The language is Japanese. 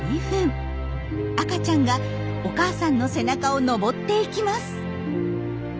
赤ちゃんがお母さんの背中を登っていきます。